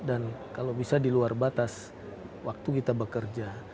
dan kalau bisa di luar batas waktu kita bekerja